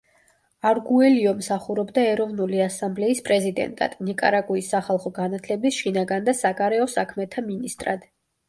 არგუელიო მსახურობდა ეროვნული ასამბლეის პრეზიდენტად, ნიკარაგუის სახალხო განათლების, შინაგან და საგარეო საქმეთა მინისტრად.